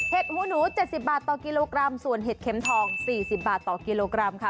หูหนู๗๐บาทต่อกิโลกรัมส่วนเห็ดเข็มทอง๔๐บาทต่อกิโลกรัมค่ะ